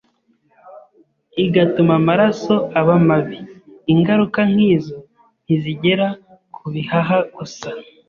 igatuma amaraso aba mabi. Ingaruka nk’izo ntizigera ku bihaha gusa,